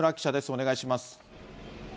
お願いします。